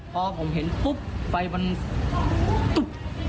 พอผมเห็นปุ๊บไฟมันตุ๊ด